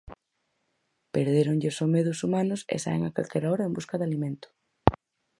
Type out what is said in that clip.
Perdéronlles o medo aos humanos e saen a calquera hora en busca de alimento.